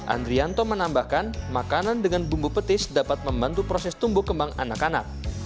andrianto menambahkan makanan dengan bumbu petis dapat membantu proses tumbuh kembang anak anak